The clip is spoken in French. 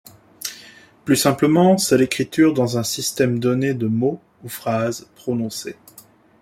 Plus simplement, c'est l'écriture dans un système donné de mots ou phrases prononcés.